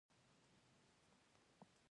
راز راز زحمتونه وګاللې.